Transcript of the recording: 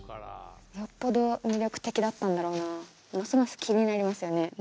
よっぽど魅力的だったんだろうなますます気になりますよね